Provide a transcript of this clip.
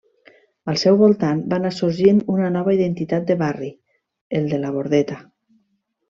Al seu voltant va anar sorgint una nova identitat de barri, el de La Bordeta.